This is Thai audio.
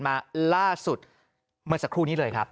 มาล่าสุดเมื่อสักครู่นี้เลยครับ